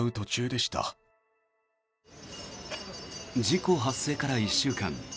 事故発生から１週間。